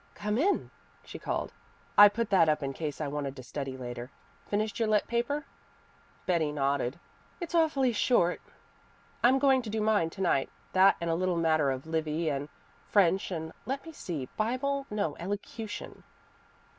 "Come in," she called. "I put that up in case I wanted to study later. Finished your lit. paper?" Betty nodded. "It's awfully short." "I'm going to do mine to night that and a little matter of Livy and French and let me see Bible no, elocution."